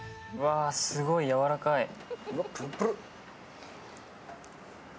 わ、すごいやわらかい。